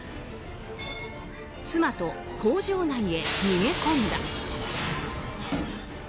妻と工場内へ逃げ込んだ。